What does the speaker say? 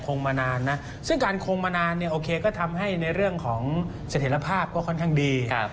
คงมานานนะซึ่งการคงมานานเนี่ยโอเคก็ทำให้ในเรื่องของเสถียรภาพก็ค่อนข้างดี